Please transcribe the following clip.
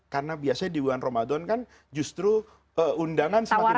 karena biasanya di bulan ramadan kan justru undangan semakin banyak